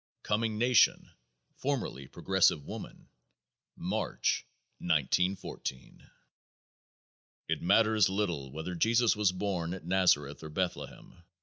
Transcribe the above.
Coming Nation (Formerly Progressive Woman), March, 1914. It matters little whether Jesus was born at Nazareth or Bethlehem.